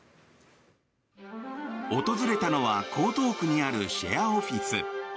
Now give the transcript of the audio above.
訪れたのは江東区にあるシェアオフィス。